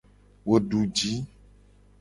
Wo du ji.